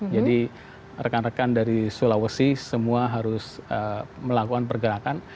jadi rekan rekan dari sulawesi semua harus melakukan pergerakan